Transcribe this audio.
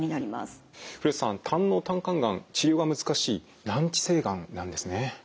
古瀬さん胆のう・胆管がん治療が難しい難治性がんなんですね。